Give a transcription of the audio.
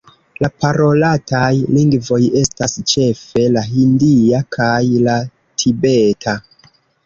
La parolataj lingvoj estas ĉefe la hindia kaj la tibeta.